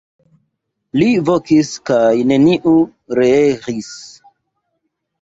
Li vokis kaj neniu reeĥis.